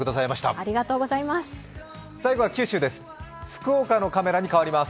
最後は九州です